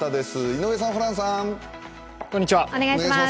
井上さん、ホランさん。